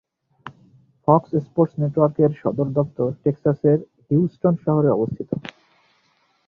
Fox Sports নেটওয়ার্কের সদর দফতর টেক্সাসের হিউস্টন শহরে অবস্থিত।